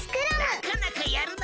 なかなかやるな。